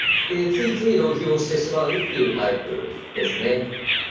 ついつい浪費をしてしまうというタイプですね。